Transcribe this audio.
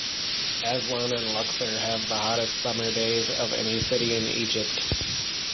Aswan and Luxor have the hottest summer days of any city in Egypt.